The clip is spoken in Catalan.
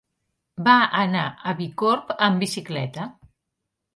Va anar a Bicorb amb bicicleta.